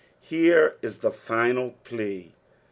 Here is the final plea.